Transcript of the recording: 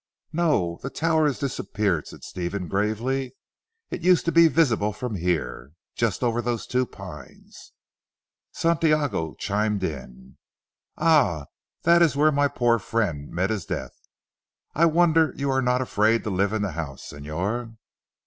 "No. The tower has disappeared;" said Stephen gravely, "it used to be visible from here. Just over those two pines." Santiago chimed in. "Ah, that is where my poor friend met with his death! I wonder you are not afraid to live in the house, Señor."